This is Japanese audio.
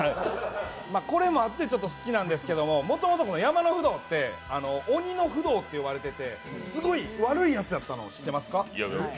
これもあって好きなんですけど、もともと山のフドウって鬼のフドウって呼ばれていてすごい悪いやつやったの知ってますか？